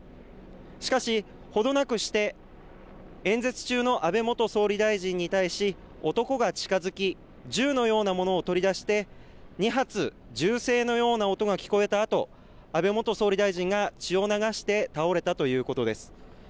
しかし、ほどなくして演説中の安倍元総理大臣に対して男が近づき銃のようなものを取り出して２発、銃声のような音が聞こえたあと安倍元総理大臣が血を流して倒れたということです。